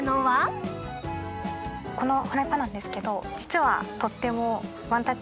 このフライパンなんですけど実は。